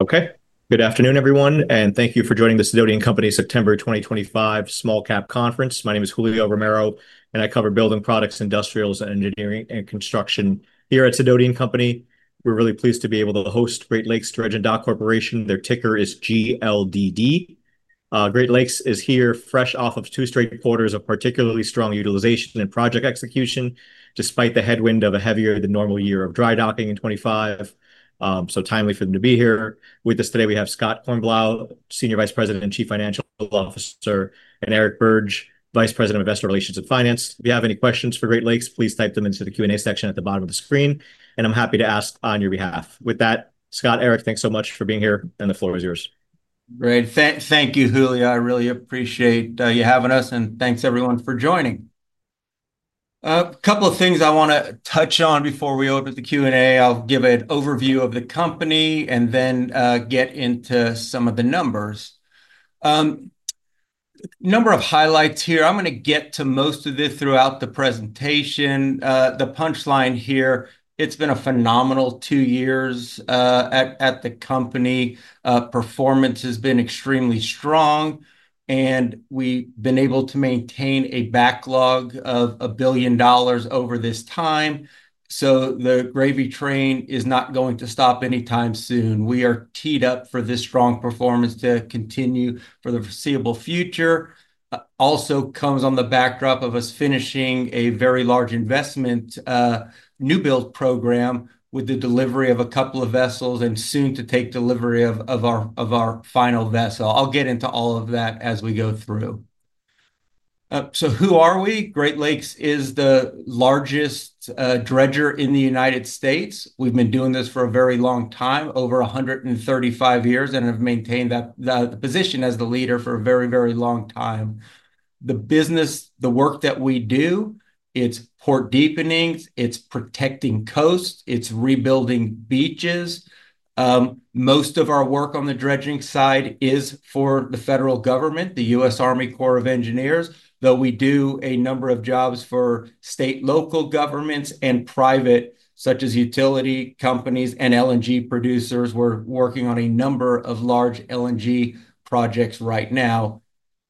Okay, good afternoon everyone, and thank you for joining the Sidoti & Company September 2025 Small Cap Conference. My name is Julio Romero, and I cover building products, industrials, engineering, and construction here at Sidoti & Company. We're really pleased to be able to host Great Lakes Dredge & Dock Corporation. Their ticker is GLDD. Great Lakes is here fresh off of two straight quarters of particularly strong utilization and project execution, despite the headwind of a heavier than normal year of dry docking in 2025. It is timely for them to be here. With us today, we have Scott Kornblau, Senior Vice President and Chief Financial Officer, and Eric Birge, Vice President of Investor Relations and Finance. If you have any questions for Great Lakes, please type them into the Q&A section at the bottom of the screen, and I'm happy to ask on your behalf. With that, Scott, Eric, thanks so much for being here, and the floor is yours. Great, thank you, Julio. I really appreciate you having us, and thanks everyone for joining. A couple of things I want to touch on before we open the Q&A. I'll give an overview of the company and then get into some of the numbers. A number of highlights here. I'm going to get to most of this throughout the presentation. The punchline here, it's been a phenomenal two years at the company. Performance has been extremely strong, and we've been able to maintain a backlog of $1 billion over this time. The gravy train is not going to stop anytime soon. We are teed up for this strong performance to continue for the foreseeable future. It also comes on the backdrop of us finishing a very large investment, a new build program with the delivery of a couple of vessels, and soon to take delivery of our final vessel. I'll get into all of that as we go through. Who are we? Great Lakes Dredge & Dock Corporation is the largest dredger in the United States. We've been doing this for a very long time, over 135 years, and have maintained that position as the leader for a very, very long time. The business, the work that we do, it's port deepenings, it's protecting coasts, it's rebuilding beaches. Most of our work on the dredging side is for the federal government, the U.S. Army Corps of Engineers, though we do a number of jobs for state and local governments and private, such as utility companies and LNG producers. We're working on a number of large LNG projects right now.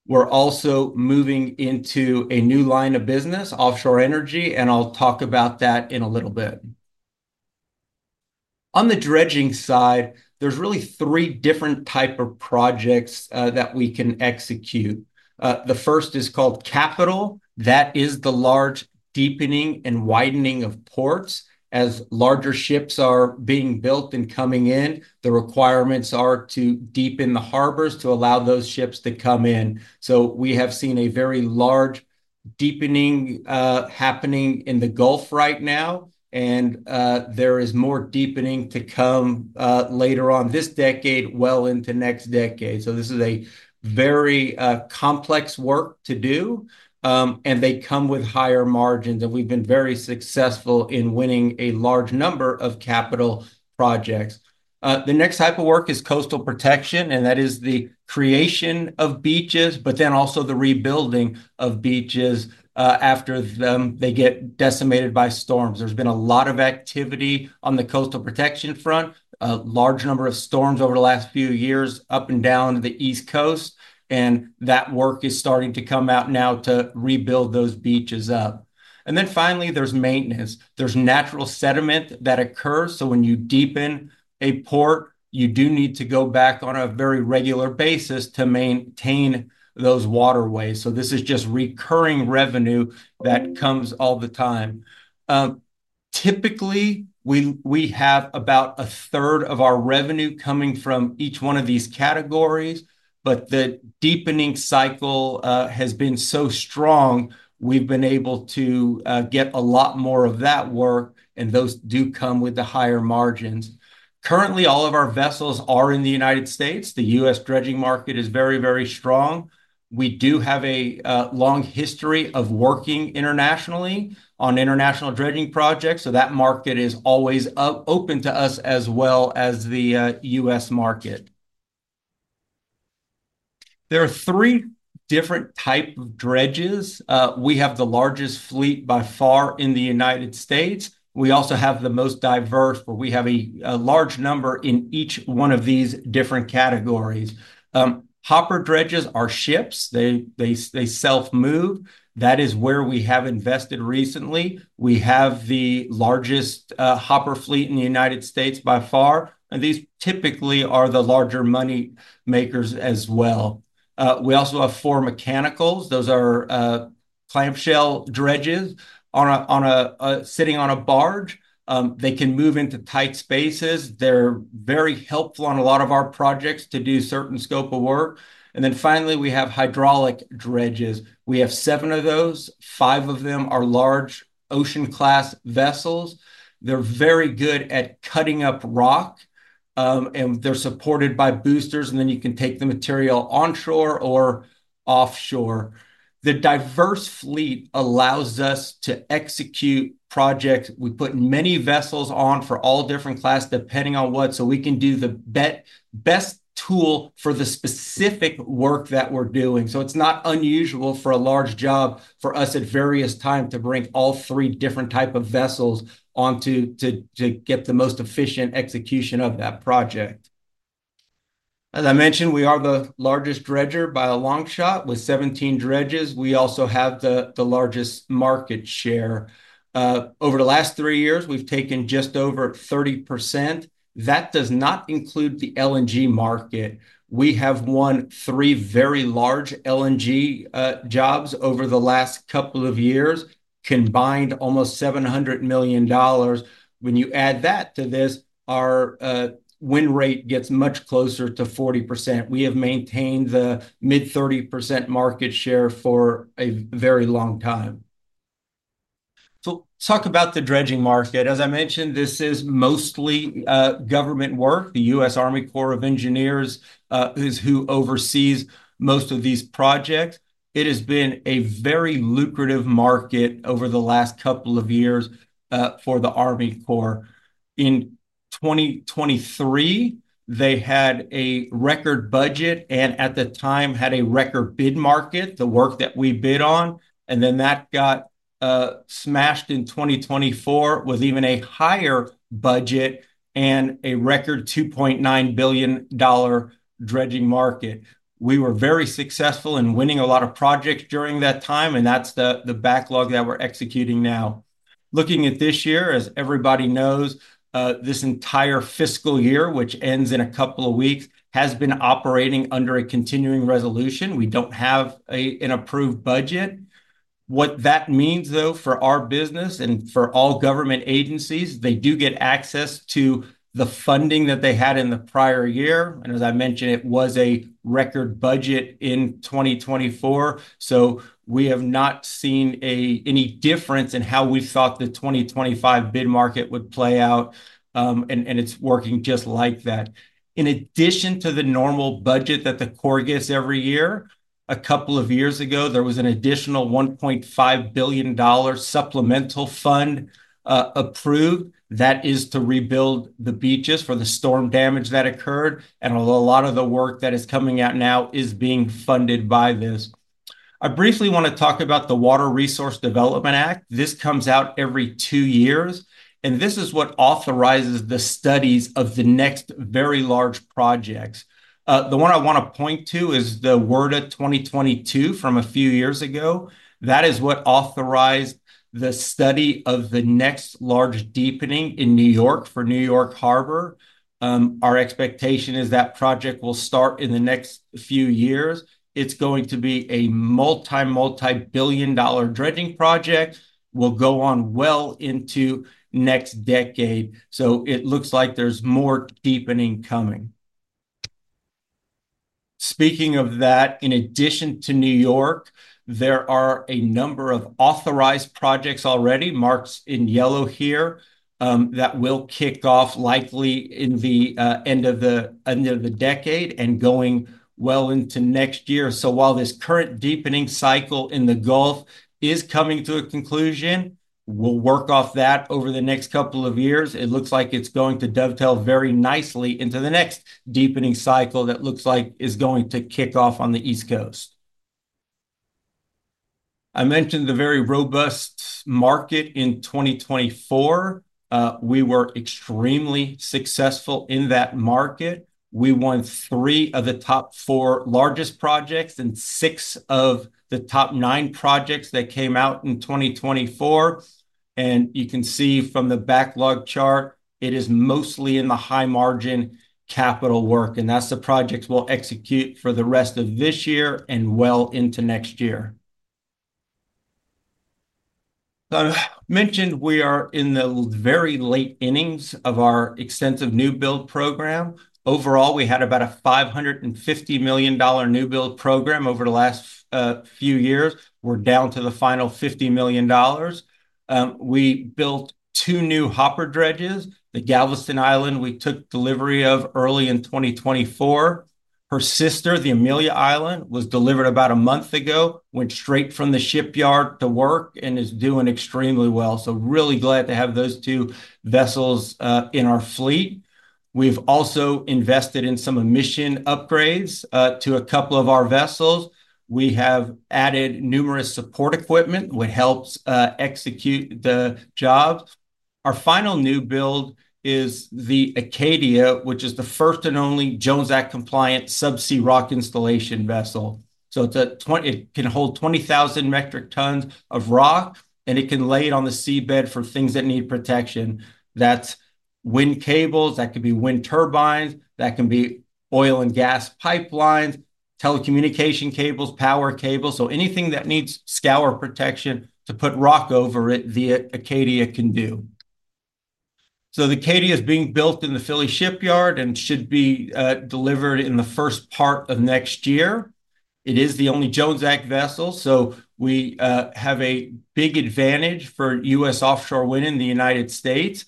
We're also moving into a new line of business, offshore energy, and I'll talk about that in a little bit. On the dredging side, there's really three different types of projects that we can execute. The first is called Capital. That is the large deepening and widening of ports. As larger ships are being built and coming in, the requirements are to deepen the harbors to allow those ships to come in. We have seen a very large deepening happening in the Gulf right now, and there is more deepening to come later on this decade, well into next decade. This is very complex work to do, and they come with higher margins, and we've been very successful in winning a large number of capital projects. The next type of work is coastal protection, and that is the creation of beaches, but then also the rebuilding of beaches after they get decimated by storms. There's been a lot of activity on the coastal protection front, a large number of storms over the last few years up and down the East Coast, and that work is starting to come out now to rebuild those beaches up. Finally, there's maintenance. There's natural sediment that occurs. When you deepen a port, you do need to go back on a very regular basis to maintain those waterways. This is just recurring revenue that comes all the time. Typically, we have about a third of our revenue coming from each one of these categories, but the deepening cycle has been so strong we've been able to get a lot more of that work, and those do come with the higher margins. Currently, all of our vessels are in the United States. The U.S. dredging market is very, very strong. We do have a long history of working internationally on international dredging projects, so that market is always open to us as well as the U.S. market. There are three different types of dredges. We have the largest fleet by far in the United States. We also have the most diverse, where we have a large number in each one of these different categories. Hopper dredges are ships. They self-move. That is where we have invested recently. We have the largest hopper fleet in the United States by far, and these typically are the larger moneymakers as well. We also have four mechanicals. Those are clamshell dredges sitting on a barge. They can move into tight spaces. They're very helpful on a lot of our projects to do a certain scope of work. Finally, we have hydraulic dredges. We have seven of those. Five of them are large ocean-class vessels. They're very good at cutting up rock, and they're supported by boosters, and then you can take the material onshore or offshore. The diverse fleet allows us to execute projects. We put many vessels on for all different classes, depending on what, so we can do the best tool for the specific work that we're doing. It's not unusual for a large job for us at various times to bring all three different types of vessels on to get the most efficient execution of that project. As I mentioned, we are the largest dredger by a long shot with 17 dredges. We also have the largest market share. Over the last three years, we've taken just over 30%. That does not include the LNG market. We have won three very large LNG jobs over the last couple of years, combined almost $700 million. When you add that to this, our win rate gets much closer to 40%. We have maintained the mid-30% market share for a very long time. Let's talk about the dredging market. As I mentioned, this is mostly government work. The U.S. Army Corps of Engineers is who oversees most of these projects. It has been a very lucrative market over the last couple of years for the Army Corps. In 2023, they had a record budget and at the time had a record bid market, the work that we bid on. That got smashed in 2024 with even a higher budget and a record $2.9 billion dredging market. We were very successful in winning a lot of projects during that time, and that's the backlog that we're executing now. Looking at this year, as everybody knows, this entire fiscal year, which ends in a couple of weeks, has been operating under a continuing resolution. We don't have an approved budget. What that means for our business and for all government agencies is they do get access to the funding that they had in the prior year. As I mentioned, it was a record budget in 2024. We have not seen any difference in how we thought the 2025 bid market would play out, and it's working just like that. In addition to the normal budget that the Corps gets every year, a couple of years ago, there was an additional $1.5 billion supplemental fund approved. That is to rebuild the beaches for the storm damage that occurred. A lot of the work that is coming out now is being funded by this. I briefly want to talk about the Water Resource Development Act. This comes out every two years, and this is what authorizes the studies of the next very large projects. The one I want to point to is the WERDA 2022 from a few years ago. That is what authorized the study of the next large deepening in New York for New York Harbor. Our expectation is that project will start in the next few years. It's going to be a multi, multi-billion dollar dredging project. It will go on well into next decade. It looks like there's more deepening coming. In addition to New York, there are a number of authorized projects already, marks in yellow here, that will kick off likely in the end of the decade and going well into next year. While this current deepening cycle in the Gulf is coming to a conclusion, we'll work off that over the next couple of years. It looks like it's going to dovetail very nicely into the next deepening cycle that looks like is going to kick off on the East Coast. I mentioned the very robust market in 2024. We were extremely successful in that market. We won three of the top four largest projects and six of the top nine projects that came out in 2024. You can see from the backlog chart, it is mostly in the high margin capital work, and that's the projects we'll execute for the rest of this year and well into next year. I mentioned we are in the very late innings of our extensive new build program. Overall, we had about a $550 million new build program over the last few years. We're down to the final $50 million. We built two new hopper dredges, the Galveston Island we took delivery of early in 2024. Her sister, the Amelia Island, was delivered about a month ago, went straight from the shipyard to work, and is doing extremely well. Really glad to have those two vessels in our fleet. We've also invested in some emission upgrades to a couple of our vessels. We have added numerous support equipment, which helps execute the jobs. Our final new build is the Acadia, which is the first and only Jones Act-compliant subsea rock installation vessel. It can hold 20,000 metric tons of rock, and it can lay it on the seabed for things that need protection. That's wind cables, that could be wind turbines, that can be oil and gas pipelines, telecommunication cables, power cables. Anything that needs scour protection to put rock over it, the Acadia can do. The Acadia is being built in the Philly Shipyard and should be delivered in the first part of next year. It is the only Jones Act vessel, so we have a big advantage for U.S. offshore wind in the United States.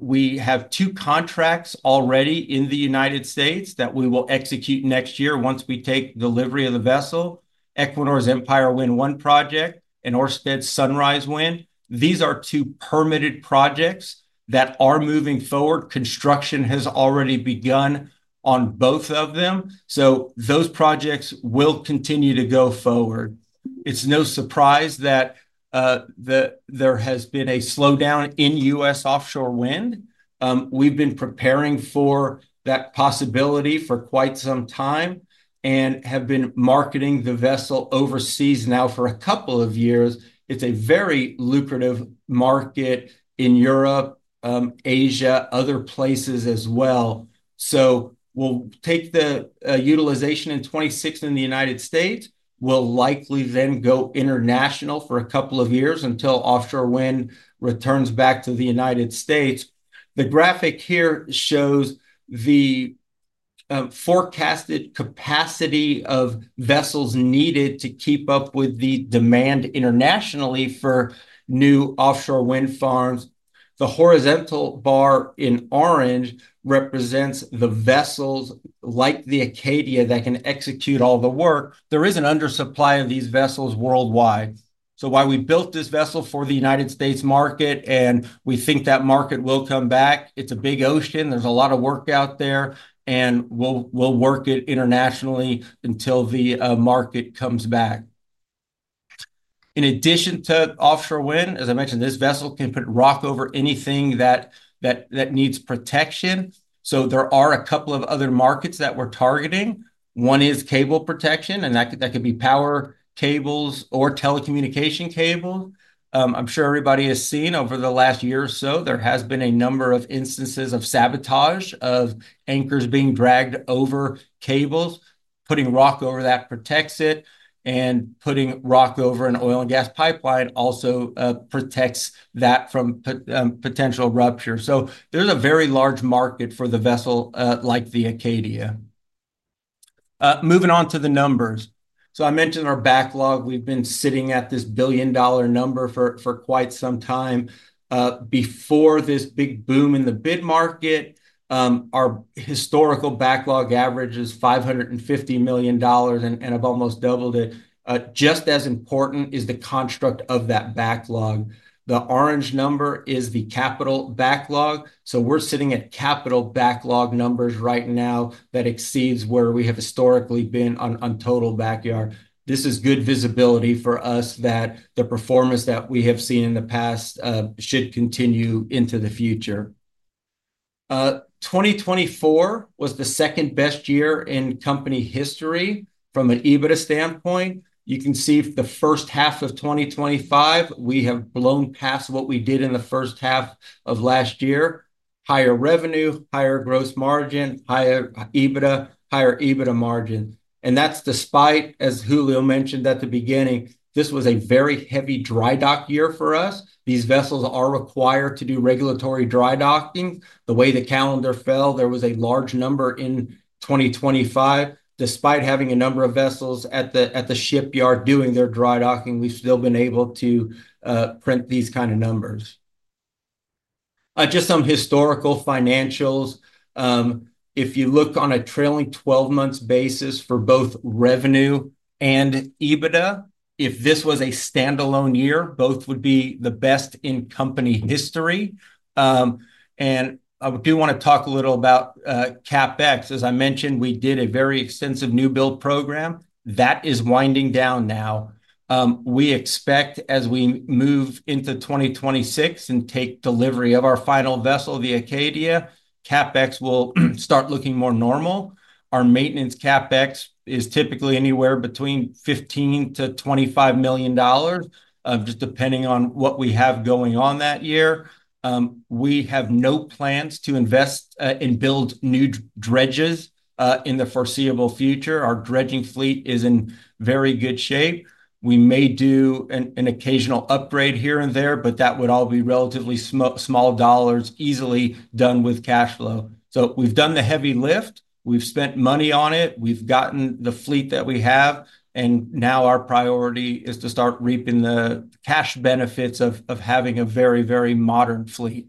We have two contracts already in the United States that we will execute next year once we take delivery of the vessel: Equinor's Empire Wind 1 project and Ørsted's Sunrise Wind. These are two permitted projects that are moving forward. Construction has already begun on both of them. Those projects will continue to go forward. It's no surprise that there has been a slowdown in U.S. offshore wind. We've been preparing for that possibility for quite some time and have been marketing the vessel overseas now for a couple of years. It's a very lucrative market in Europe, Asia, and other places as well. We'll take the utilization in 2026 in the United States. We'll likely then go international for a couple of years until offshore wind returns back to the United States. The graphic here shows the forecasted capacity of vessels needed to keep up with the demand internationally for new offshore wind farms. The horizontal bar in orange represents the vessels like the Acadia that can execute all the work. There is an undersupply of these vessels worldwide. That is why we built this vessel for the United States market, and we think that market will come back. It's a big ocean. There's a lot of work out there, and we'll work it internationally until the market comes back. In addition to offshore wind, as I mentioned, this vessel can put rock over anything that needs protection. There are a couple of other markets that we're targeting. One is cable protection, and that could be power cables or telecommunication cables. I'm sure everybody has seen over the last year or so, there has been a number of instances of sabotage of anchors being dragged over cables. Putting rock over that protects it, and putting rock over an oil and gas pipeline also protects that from potential rupture. There is a very large market for the vessel like the Acadia. Moving on to the numbers. I mentioned our backlog. We've been sitting at this billion-dollar number for quite some time. Before this big boom in the bid market, our historical backlog average is $550 million and have almost doubled it. Just as important is the construct of that backlog. The orange number is the capital backlog. We're sitting at capital backlog numbers right now that exceed where we have historically been on total backlog. This is good visibility for us that the performance that we have seen in the past should continue into the future. 2024 was the second best year in company history from an EBITDA standpoint. You can see the first half of 2025, we have blown past what we did in the first half of last year. Higher revenue, higher gross margin, higher EBITDA, higher EBITDA margin. That's despite, as Julio mentioned at the beginning, this was a very heavy dry dock year for us. These vessels are required to do regulatory dry docking. The way the calendar fell, there was a large number in 2025. Despite having a number of vessels at the shipyard doing their dry docking, we've still been able to print these kind of numbers. Just some historical financials. If you look on a trailing 12 months basis for both revenue and EBITDA, if this was a standalone year, both would be the best in company history. I do want to talk a little about CapEx. As I mentioned, we did a very extensive new build program. That is winding down now. We expect, as we move into 2026 and take delivery of our final vessel, the Acadia, CapEx will start looking more normal. Our maintenance CapEx is typically anywhere between $15 million to $25 million, just depending on what we have going on that year. We have no plans to invest in building new dredges in the foreseeable future. Our dredging fleet is in very good shape. We may do an occasional upgrade here and there, but that would all be relatively small dollars, easily done with cash flow. We've done the heavy lift. We've spent money on it. We've gotten the fleet that we have, and now our priority is to start reaping the cash benefits of having a very, very modern fleet.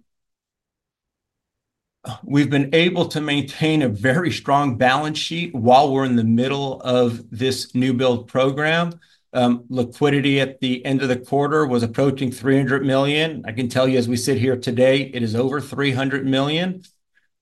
We've been able to maintain a very strong balance sheet while we're in the middle of this new build program. Liquidity at the end of the quarter was approaching $300 million. I can tell you, as we sit here today, it is over $300 million.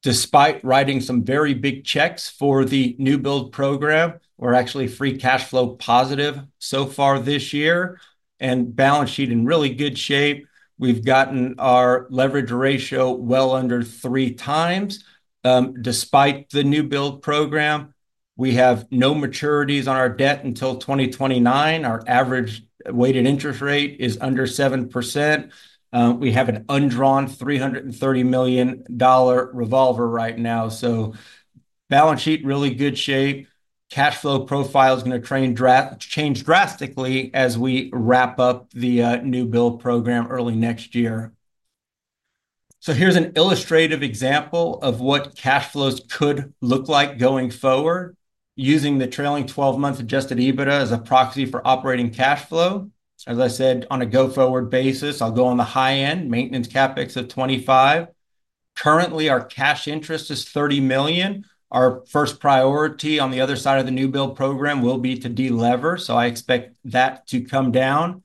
Despite writing some very big checks for the new build program, we're actually free cash flow positive so far this year, and balance sheet in really good shape. We've gotten our leverage ratio well under three times. Despite the new build program, we have no maturities on our debt until 2029. Our average weighted interest rate is under 7%. We have an undrawn $330 million revolver right now. Balance sheet in really good shape. Cash flow profile is going to change drastically as we wrap up the new build program early next year. Here's an illustrative example of what cash flows could look like going forward, using the trailing 12 months adjusted EBITDA as a proxy for operating cash flow. As I said, on a go-forward basis, I'll go on the high end, maintenance CapEx of $25 million. Currently, our cash interest is $30 million. Our first priority on the other side of the new build program will be to de-lever, so I expect that to come down.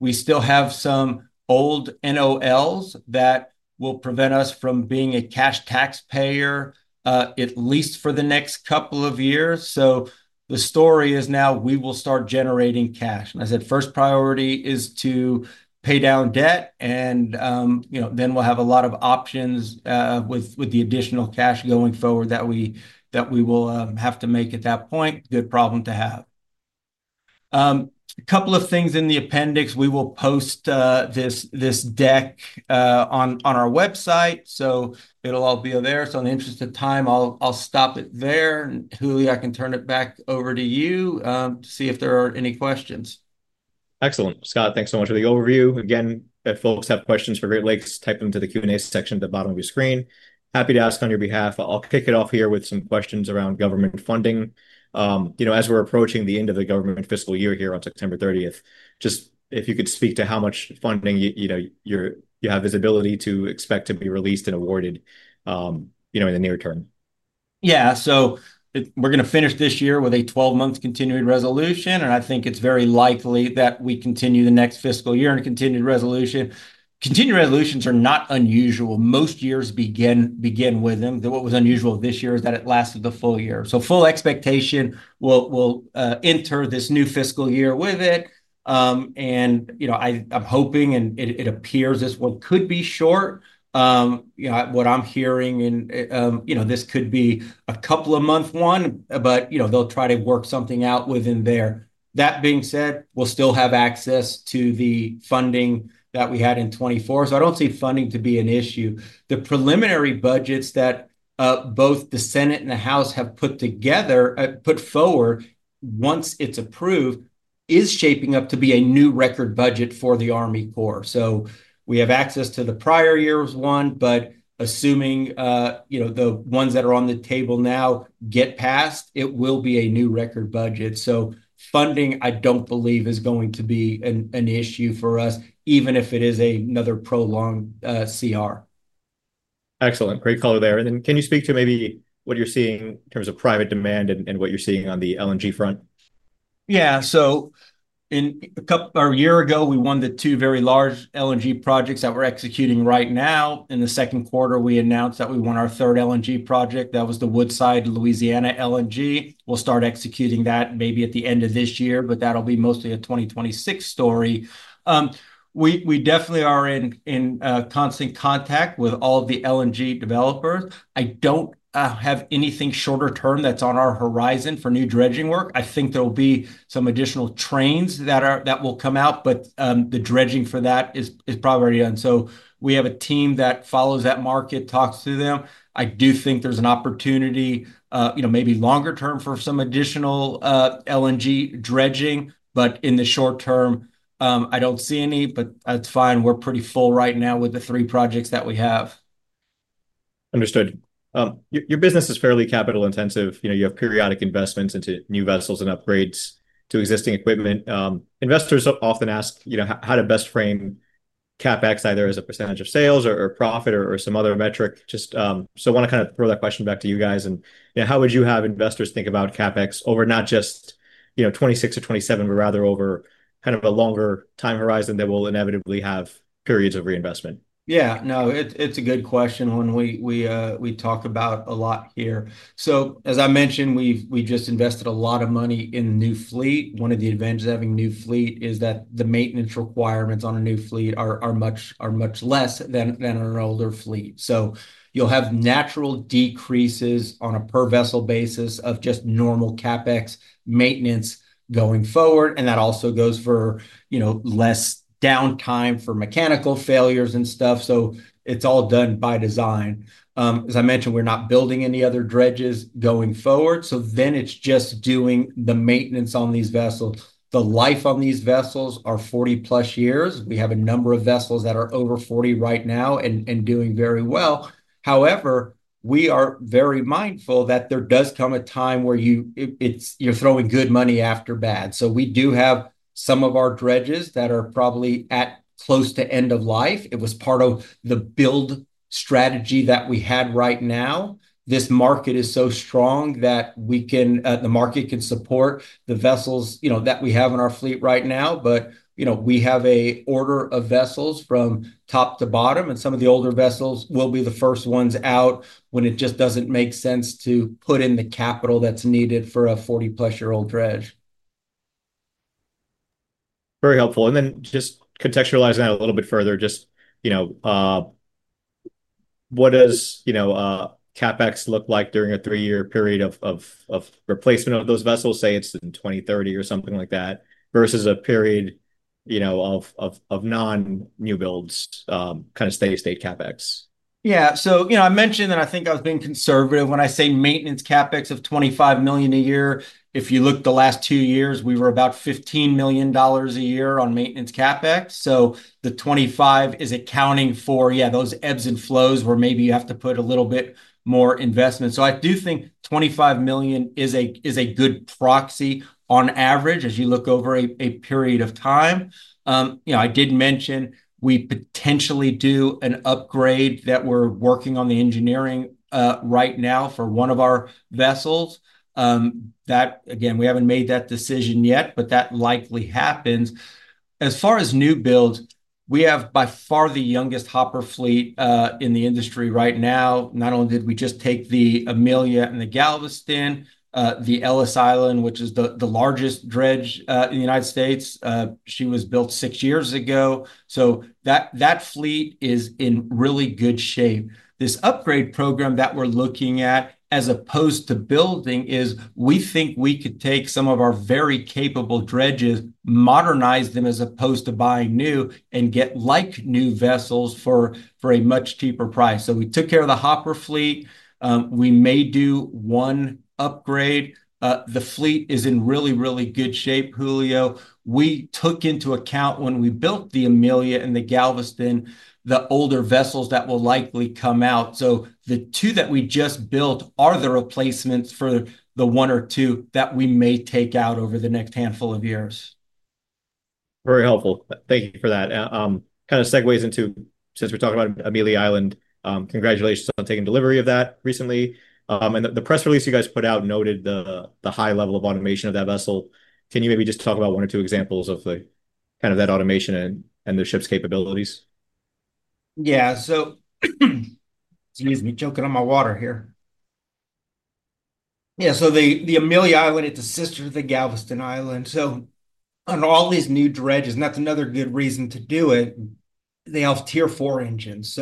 We still have some old NOLs that will prevent us from being a cash taxpayer, at least for the next couple of years. The story is now we will start generating cash. I said first priority is to pay down debt, and then we'll have a lot of options with the additional cash going forward that we will have to make at that point. Good problem to have. A couple of things in the appendix. We will post this deck on our website, so it'll all be there. In the interest of time, I'll stop it there. Julio, I can turn it back over to you to see if there are any questions. Excellent. Scott, thanks so much for the overview. Again, if folks have questions for Great Lakes, type them to the Q&A section at the bottom of your screen. Happy to ask on your behalf. I'll kick it off here with some questions around government funding. As we're approaching the end of the government fiscal year here on September 30, just if you could speak to how much funding you have visibility to expect to be released and awarded in the near term. Yeah, so we're going to finish this year with a 12-month continuing resolution, and I think it's very likely that we continue the next fiscal year in a continuing resolution. Continuing resolutions are not unusual. Most years begin with them. What was unusual this year is that it lasted the full year. Full expectation will enter this new fiscal year with it. I'm hoping, and it appears this one could be short. What I'm hearing, this could be a couple of months one, but they'll try to work something out within there. That being said, we'll still have access to the funding that we had in 2024, so I don't see funding to be an issue. The preliminary budgets that both the Senate and the House have put together, put forward once it's approved, is shaping up to be a new record budget for the Army Corps. We have access to the prior year's one, but assuming the ones that are on the table now get passed, it will be a new record budget. Funding, I don't believe, is going to be an issue for us, even if it is another prolonged continuing resolution. Excellent. Great call there. Can you speak to maybe what you're seeing in terms of private demand and what you're seeing on the LNG front? Yeah, so in a couple of years, a year ago, we won the two very large LNG projects that we're executing right now. In the second quarter, we announced that we won our third LNG project. That was the Woodside Louisiana LNG. We'll start executing that maybe at the end of this year, but that'll be mostly a 2026 story. We definitely are in constant contact with all of the LNG developers. I don't have anything shorter term that's on our horizon for new dredging work. I think there will be some additional trains that will come out, but the dredging for that is probably already done. We have a team that follows that market, talks to them. I do think there's an opportunity, you know, maybe longer term for some additional LNG dredging, but in the short term, I don't see any, but that's fine. We're pretty full right now with the three projects that we have. Understood. Your business is fairly capital intensive. You have periodic investments into new vessels and upgrades to existing equipment. Investors often ask how to best frame CapEx either as a percentage of sales or profit or some other metric. I want to kind of throw that question back to you guys. How would you have investors think about CapEx over not just 2026 to 2027, but rather over kind of a longer time horizon that will inevitably have periods of reinvestment? Yeah, no, it's a good question, one we talk about a lot here. As I mentioned, we've just invested a lot of money in the new fleet. One of the advantages of having a new fleet is that the maintenance requirements on a new fleet are much less than on an older fleet. You'll have natural decreases on a per-vessel basis of just normal CapEx maintenance going forward. That also goes for less downtime for mechanical failures and stuff. It's all done by design. As I mentioned, we're not building any other dredges going forward. It's just doing the maintenance on these vessels. The life on these vessels is 40 plus years. We have a number of vessels that are over 40 right now and doing very well. However, we are very mindful that there does come a time where you're throwing good money after bad. We do have some of our dredges that are probably at close to end of life. It was part of the build strategy that we had. Right now, this market is so strong that we can, the market can support the vessels that we have in our fleet right now. We have an order of vessels from top to bottom, and some of the older vessels will be the first ones out when it just doesn't make sense to put in the capital that's needed for a 40-plus-year-old dredge. Very helpful. Just contextualize that a little bit further. Just, you know, what does, you know, CapEx look like during a three-year period of replacement of those vessels? Say it's in 2030 or something like that versus a period, you know, of non-new builds, kind of steady state CapEx. Yeah, so, you know, I mentioned, and I think I was being conservative when I say maintenance CapEx of $25 million a year. If you look at the last two years, we were about $15 million a year on maintenance CapEx. The $25 million is accounting for those ebbs and flows where maybe you have to put a little bit more investment. I do think $25 million is a good proxy on average as you look over a period of time. I did mention we potentially do an upgrade that we're working on the engineering right now for one of our vessels. That, again, we haven't made that decision yet, but that likely happens. As far as new builds, we have by far the youngest hopper fleet in the industry right now. Not only did we just take the Amelia Island and the Galveston Island, the Ellis Island, which is the largest dredge in the United States, she was built six years ago. That fleet is in really good shape. This upgrade program that we're looking at, as opposed to building, is we think we could take some of our very capable dredges, modernize them as opposed to buying new, and get like new vessels for a much cheaper price. We took care of the hopper fleet. We may do one upgrade. The fleet is in really, really good shape, Julio. We took into account when we built the Amelia Island and the Galveston Island, the older vessels that will likely come out. The two that we just built are the replacements for the one or two that we may take out over the next handful of years. Very helpful. Thank you for that. Kind of segues into, since we're talking about Amelia Island, congratulations on taking delivery of that recently. The press release you guys put out noted the high level of automation of that vessel. Can you maybe just talk about one or two examples of that automation and the ship's capabilities? Yeah, excuse me, choking on my water here. The Amelia Island, it's a sister to the Galveston Island. On all these new dredges, and that's another good reason to do it, they all have Tier 4 engines.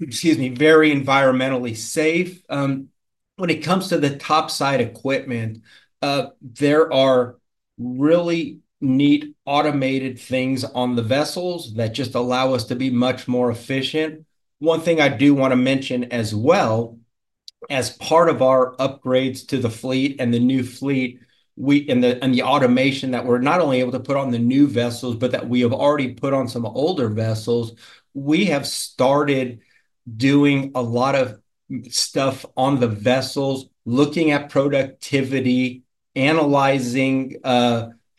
Excuse me, very environmentally safe. When it comes to the topside equipment, there are really neat automated things on the vessels that just allow us to be much more efficient. One thing I do want to mention as well, as part of our upgrades to the fleet and the new fleet, and the automation that we're not only able to put on the new vessels, but that we have already put on some older vessels, we have started doing a lot of stuff on the vessels, looking at productivity, analyzing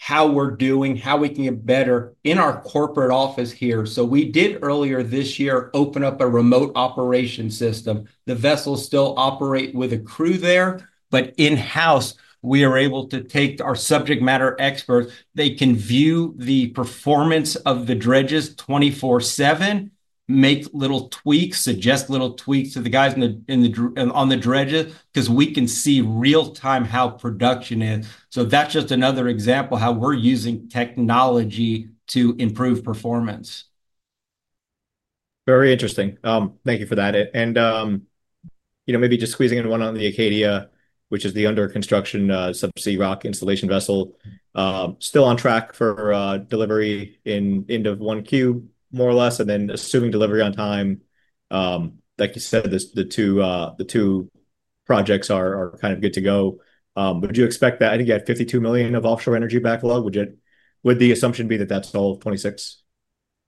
how we're doing, how we can get better in our corporate office here. Earlier this year we did open up a remote operation system. The vessels still operate with a crew there, but in-house, we are able to take our subject matter experts. They can view the performance of the dredges 24/7, make little tweaks, suggest little tweaks to the guys on the dredges, because we can see real-time how production is. That's just another example of how we're using technology to improve performance. Very interesting. Thank you for that. Maybe just squeezing in one on the Acadia, which is the under construction subsea rock installation vessel, still on track for delivery in end of Q1, more or less, and then assuming delivery on time. Like you said, the two projects are kind of good to go. Would you expect that? I think you had $52 million of offshore energy backlog. Would the assumption be that that's all 2026?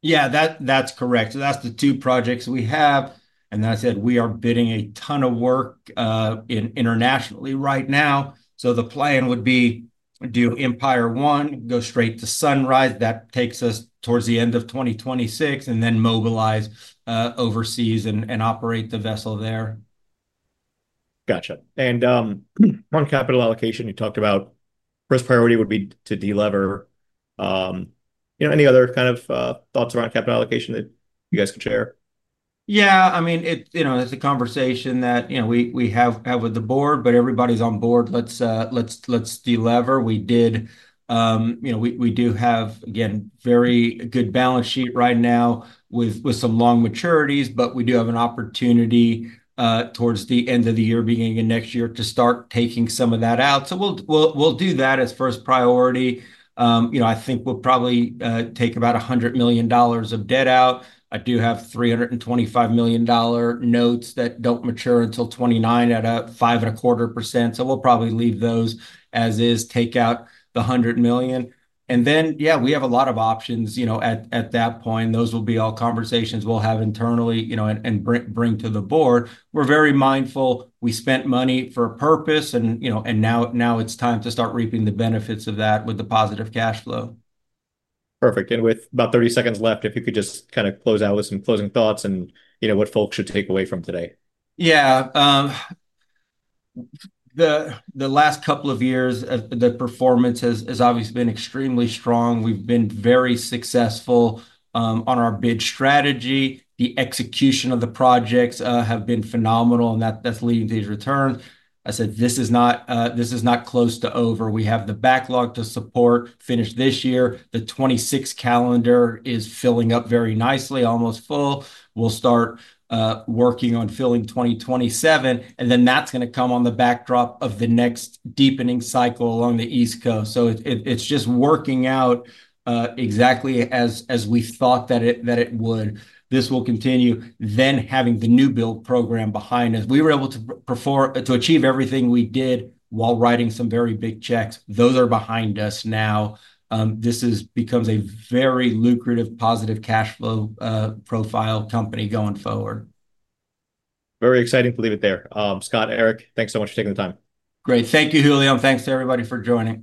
Yeah, that's correct. That's the two projects we have. As I said, we are bidding a ton of work internationally right now. The plan would be to do Empire Wind 1, go straight to Sunrise Wind. That takes us towards the end of 2026, and then mobilize overseas and operate the vessel there. Gotcha. On capital allocation, you talked about first priority would be to delever. Any other kind of thoughts around capital allocation that you guys could share? Yeah, I mean, it's a conversation that we have with the board, but everybody's on board. Let's delever. We do have, again, a very good balance sheet right now with some long maturities, but we do have an opportunity towards the end of the year, beginning of next year, to start taking some of that out. We'll do that as first priority. I think we'll probably take about $100 million of debt out. I do have $325 million notes that don't mature until 2029 at a 5.25%. We'll probably leave those as is, take out the $100 million. We have a lot of options at that point. Those will be all conversations we'll have internally and bring to the board. We're very mindful. We spent money for a purpose, and now it's time to start reaping the benefits of that with the positive cash flow. Perfect. With about 30 seconds left, if you could just close out with some closing thoughts and what folks should take away from today. Yeah, the last couple of years, the performance has obviously been extremely strong. We've been very successful on our bid strategy. The execution of the projects has been phenomenal, and that's leading to these returns. I said this is not close to over. We have the backlog to support finished this year. The 2026 calendar is filling up very nicely, almost full. We'll start working on filling 2027, and that is going to come on the backdrop of the next deepening cycle along the East Coast. It is just working out exactly as we thought that it would. This will continue. Having the new build program behind us, we were able to achieve everything we did while writing some very big checks. Those are behind us now. This becomes a very lucrative, positive cash flow profile company going forward. Very exciting to leave it there. Scott, Eric, thanks so much for taking the time. Great. Thank you, Julio. Thanks to everybody for joining.